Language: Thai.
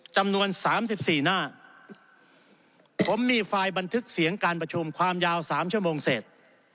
จำนวน๓๔หน้าผมมีไฟล์บันทึกเสียงการประชุมความยาว๓ชั่วโมงเศษ